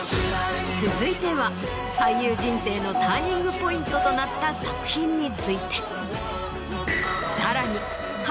続いては俳優人生のターニングポイントとなった作品について。